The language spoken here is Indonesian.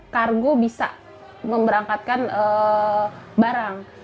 kargo bisa memberangkatkan barang